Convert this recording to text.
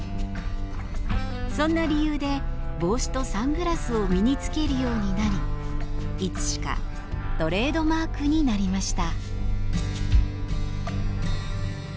そんな理由で帽子とサングラスを身に着けるようになりいつしかトレードマークになりました。